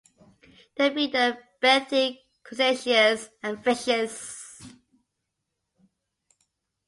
They feed on benthic crustaceans and fishes.